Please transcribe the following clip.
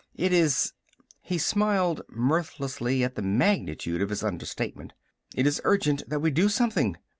It is " He smiled mirthlessly at the magnitude of his understatement. "It is urgent that we do something.